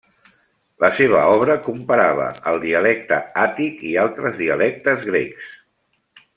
La seva obra comparava el dialecte àtic i altres dialectes grecs.